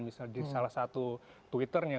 misalnya di salah satu twitternya